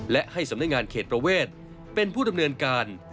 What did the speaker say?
และให้สำนักงานเขตประเวทเป็นผู้ดำเนินการ